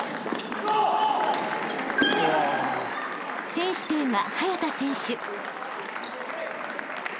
［先取点は早田選手］